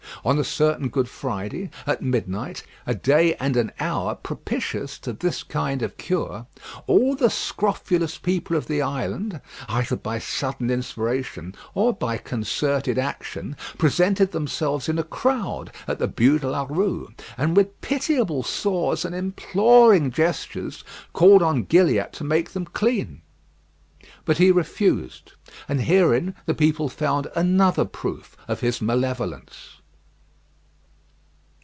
On a certain Good Friday, at midnight, a day and an hour propitious to this kind of cure, all the scrofulous people of the island, either by sudden inspiration, or by concerted action, presented themselves in a crowd at the Bû de la Rue, and with pitiable sores and imploring gestures, called on Gilliatt to make them clean. But he refused; and herein the people found another proof of his malevolence.